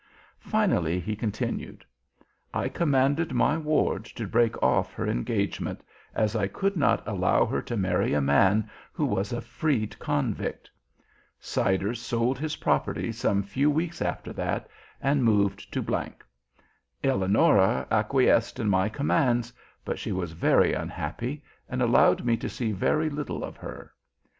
Finally he continued: "I commanded my ward to break off her engagement, as I could not allow her to marry a man who was a freed convict. Siders sold his property some few weeks after that and moved to G . Eleonora acquiesced in my commands, but she was very unhappy and allowed me to see very little of her.